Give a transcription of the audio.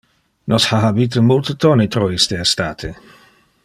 Nos ha habite multe tonitro iste estate.